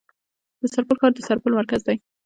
د سرپل ښار د سرپل مرکز دی